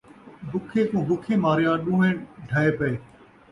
بکھے کو بکھے ماریا، ݙونہیں ڈھیہہ پئے